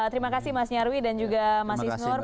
terima kasih mas nyawri dan juga mas isunur